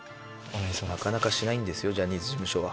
なかなかしないんですよジャニーズ事務所は。